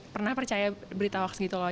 pernah percaya berita hoax gitu loh